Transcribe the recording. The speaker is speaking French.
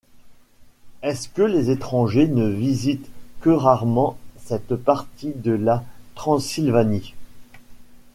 Est-ce que les étrangers ne visitent que rarement cette partie de la Transylvanie?